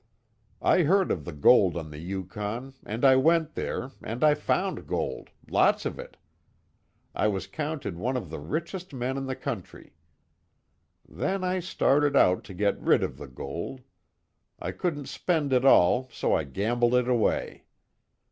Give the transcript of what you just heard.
I heard of the gold on the Yukon and I went there, and I found gold lots of it. I was counted one of the richest men in the country. Then I started out to get rid of the gold. I couldn't spend it all so I gambled it away.